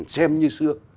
xem như xưa